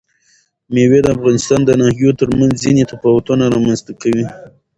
مېوې د افغانستان د ناحیو ترمنځ ځینې تفاوتونه رامنځ ته کوي.